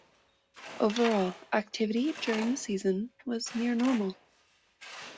Overall, activity during the season was near normal.